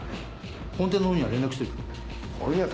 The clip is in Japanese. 本店のほうには連絡しといた。